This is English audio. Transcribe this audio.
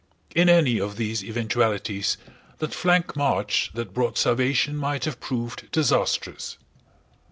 In any of these eventualities the flank march that brought salvation might have proved disastrous.